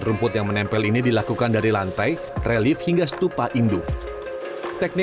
sedangkan untuk lantai dilakukan dengan tekanan tinggi